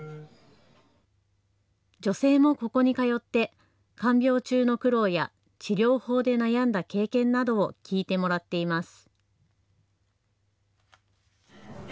女性もここに通って看病中の苦労や治療法で悩んだ経験などを聞いてもらっています。